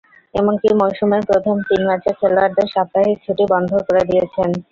এমনকি মৌসুমের প্রথম তিন ম্যাচে খেলোয়াড়দের সাপ্তাহিক ছুটি বন্ধ করে দিয়েছেন।